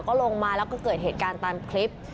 ก็ลงมาแล้วก็เกิดเหตุการณ์ตามคลิป